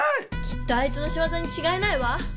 きっとあいつのしわざにちがいないわ！